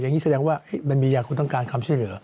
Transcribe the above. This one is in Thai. อย่างนี้แสดงว่ามันมียาคุณต้องการคำช่วยเหลือ